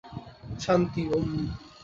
শান্তি, - ওম।